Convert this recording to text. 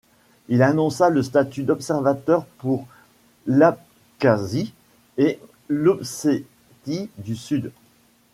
Il annonça le statut d'observateur pour l'Abkhazie et l'Ossétie du Sud.